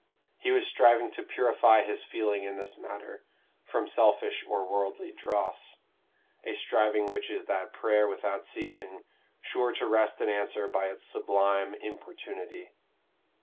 He was striving to purify his feeling in this matter from selfish or worldly dross a striving which is that prayer without ceasing, sure to wrest an answer by its sublime importunity.